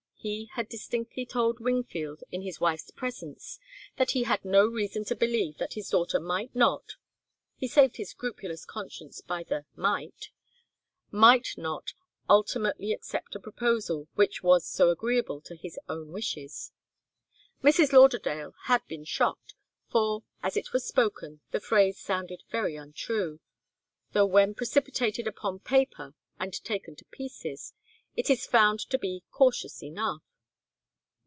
He had distinctly told Wingfield, in his wife's presence, that he had no reason to believe that his daughter might not, he saved his scrupulous conscience by the 'might,' might not ultimately accept a proposal which was so agreeable to his own wishes. Mrs. Lauderdale had been shocked, for, as it was spoken, the phrase sounded very untrue, though when precipitated upon paper and taken to pieces, it is found to be cautious enough.